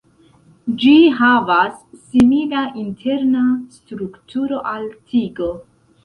Ĝi havas simila interna strukturo al tigo.